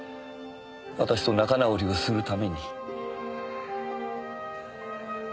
私と仲直りをするために。